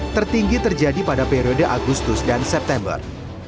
tertinggi terjadi pada periode agustus dan september